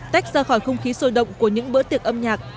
tách ra khỏi không khí sôi động của những bữa tiệc âm nhạc